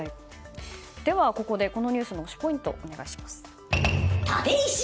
では、このニュースの推しポイントお願いします。